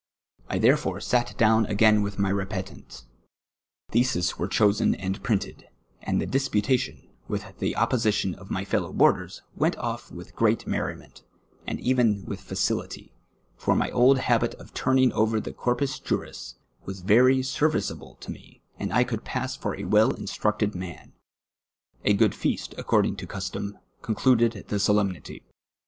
I therefore sat down a^jjain with my rcpctcnt. Theses were chosen and printed, and the disputation, witli the opposition of my fellow boarders, went off with ^eat merriment, and even Avith facility, for my old habit of tmniinp; over the Corpus Juris was veiy serWceablc to me, and I could pass for a well instnicted man, A good feast, according to custom, concluded the solemnity.